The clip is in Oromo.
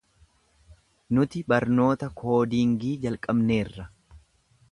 Nuti barnoota koodiingii jalqabneerra.